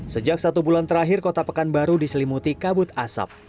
sejak satu bulan terakhir kota pekanbaru diselimuti kabut asap